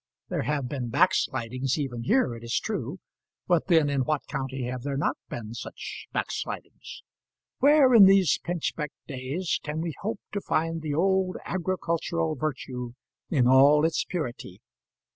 There have been backslidings even here, it is true; but then, in what county have there not been such backslidings? Where, in these pinchbeck days, can we hope to find the old agricultural virtue in all its purity?